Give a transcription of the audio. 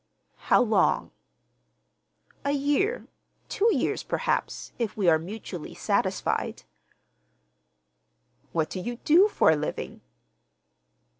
"How long?" "A year—two years, perhaps, if we are mutually satisfied." "What do you do for a living?"